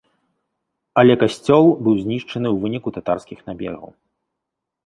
Але касцёл быў знішчаны ў выніку татарскіх набегаў.